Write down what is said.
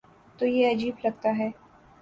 تو یہ عجیب لگتا ہے۔